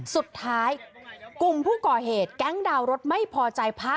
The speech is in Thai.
สุดท้ายกลุ่มผู้ก่อเหตุแก๊งดาวรถไม่พอใจพระ